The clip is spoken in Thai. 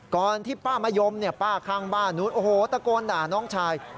ที่ป้ามะยมป้าข้างบ้านนู้นโอ้โหตะโกนด่าน้องชาย